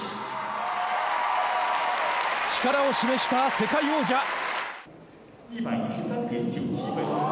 力を示した世界王者。